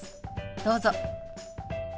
どうぞ。